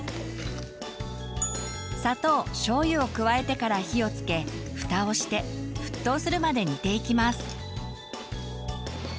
砂糖しょうゆを加えてから火をつけフタをして沸騰するまで煮ていきます。